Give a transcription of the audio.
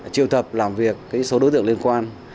triều thập làm việc số đối tượng liên quan